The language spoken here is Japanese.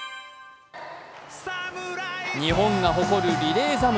日本が誇るリレー侍。